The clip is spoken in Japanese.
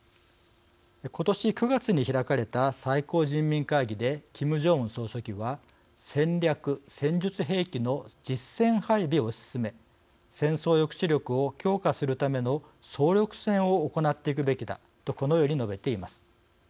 今年９月に開かれた最高人民会議でキム・ジョンウン総書記は「戦略・戦術兵器の実戦配備を推し進め戦争抑止力を強化するための総力戦を行っていくべきだ」とこのように述べています。